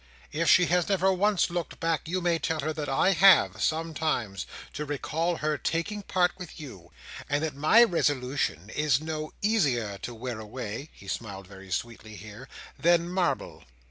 If she has never once looked back, you may tell her that I have, sometimes, to recall her taking part with you, and that my resolution is no easier to wear away;" he smiled very sweetly here; "than marble."